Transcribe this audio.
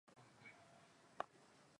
Baba aliweza kuwapeleka shuleni wote.